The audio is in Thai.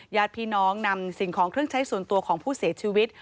ญาติพี่น้องนำสิ่งของเครื่องใช้ส่วนตัวของผู้เสียชีวิต